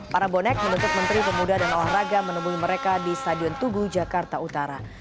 para bonek menuntut menteri pemuda dan olahraga menemui mereka di stadion tugu jakarta utara